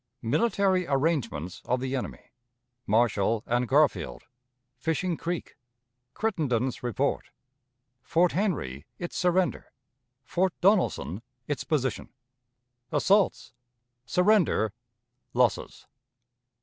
Military Arrangements of the Enemy. Marshall and Garfield. Fishing Creek. Crittenden's Report. Fort Henry; its Surrender. Fort Donelson; its Position. Assaults. Surrender. Losses.